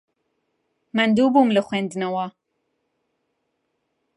ماندوو بووم لە خوێندنەوە.